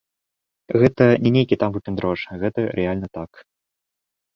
Гэта не нейкі там выпендрож, гэта рэальна так.